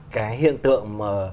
cái hiện tượng mà